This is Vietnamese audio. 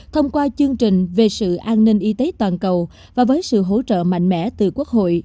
thông qua chương trình về sự an ninh y tế toàn cầu và với sự hỗ trợ mạnh mẽ từ quốc hội